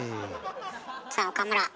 さあ岡村。